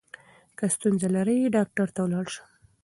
که ستونزه لرې ډاکټر ته ولاړ شه.